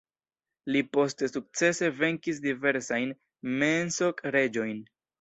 Li poste sukcese venkis diversajn "mensog-reĝojn".